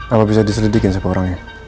apa bisa diselidikin siapa orangnya